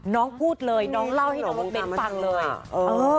น้องกู้ดเลยน้องเล่าให้น้องรถเบนฟังเลย